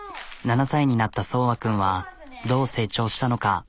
７歳になった蒼和君はどう成長したのか。